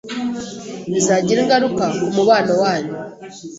bizagira ingaruka ku mubano wanyu